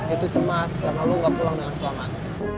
itu cemas karena lo gak pulang dengan selamat